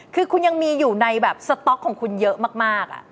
คือคุณยังมีอยู่ในแบบสต๊อกของคุณเยอะมาก